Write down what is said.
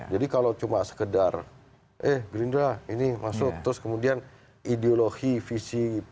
jadi kalau cuma sekedar eh gerindra ini masuk terus kemudian ideologi visi apa namanya pemerintah